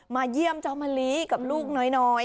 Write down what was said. เยี่ยมเจ้ามะลิกับลูกน้อย